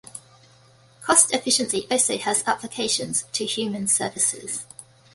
Cost efficiency also has applications to human services.